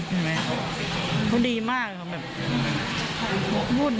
แต่ลูกน้องเขาก็เอาใจตลอด